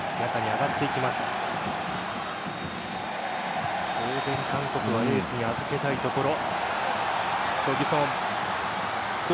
当然韓国のエースに預けたいところ。